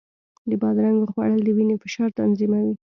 د بادرنګو خوړل د وینې فشار تنظیموي.